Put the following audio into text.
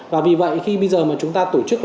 và vì vậy khi bây giờ mà chúng ta tổ chức